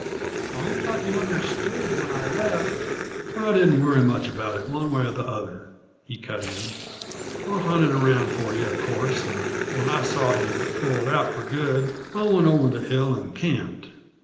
"I thought you understood, when I left " "I didn't worry much about it, one way or the other," he cut in. "I hunted around for you, of course, and when I saw you'd pulled out for good, I went over the hill and camped.